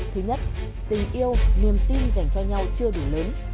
thứ nhất tình yêu niềm tin dành cho nhau chưa đủ lớn